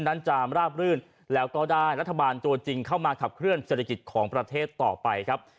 จามราบรื่นแล้วก็ได้รัฐบาลตัวจริงเข้ามาขับเคลื่อเศรษฐกิจของประเทศต่อไปครับ